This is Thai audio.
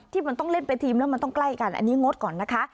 มันต้องเล่นเป็นทีมแล้วมันต้องใกล้กันอันนี้งดก่อนนะคะ